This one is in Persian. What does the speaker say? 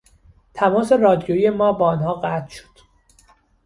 تماس رادیویی ما با آنها قطع شد.